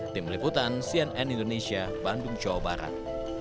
tim liputan cnn indonesia bandung jawa barat